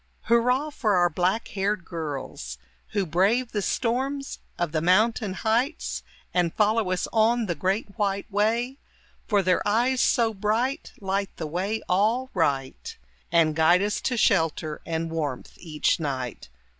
Hurrah for our black haired girls, Who brave the storms of the mountain heights And follow us on the great white way; For their eyes so bright light the way all right And guide us to shelter and warmth each night.